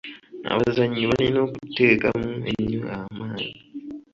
Abazannyi balina okuteekamu ennyo amaanyi.